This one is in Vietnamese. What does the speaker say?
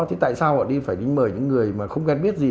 thì tại sao họ đi phải đi mời những người mà không quen biết gì